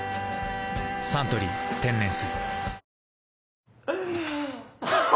「サントリー天然水」アハハ！